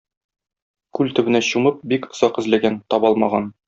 Күл төбенә чумып бик озак эзләгән, таба алмаган.